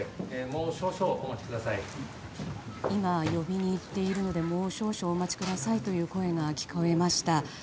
今、呼びにいっているのでもう少々お待ちくださいという声が聞こえました。